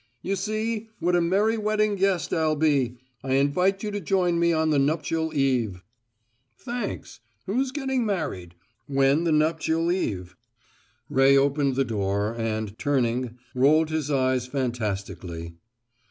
"You see? What a merry wedding guest I'll be! I invite you to join me on the nuptial eve." "Thanks. Who's getting married: when the nuptial eve?" Ray opened the door, and, turning, rolled his eyes fantastically.